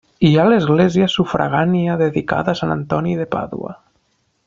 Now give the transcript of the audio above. Hi ha l'església sufragània dedicada a Sant Antoni de Pàdua.